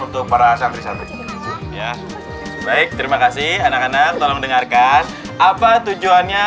untuk para santri santri ya baik terima kasih anak anak tolong dengarkan apa tujuannya